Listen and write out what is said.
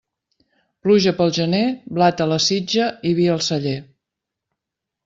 Pluja pel gener, blat a la sitja i vi al celler.